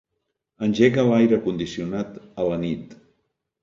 Engega l'aire condicionat a la nit.